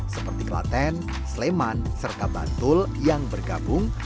seperti klaten sleman serta bantul yang bergabung